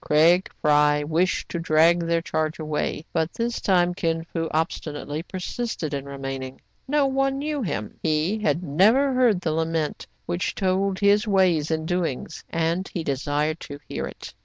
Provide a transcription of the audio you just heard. Craig Fry wished to drag their charge away; but this time Kin Fo obstinately persisted in remaining. No one knew him. He had never heard the lament which told his ways and doings, and he desired to hear it.